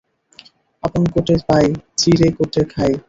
আপন কোটে পাই, চিঁড়ে কোটে খাই।